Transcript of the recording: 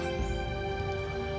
itu semua karena dirimu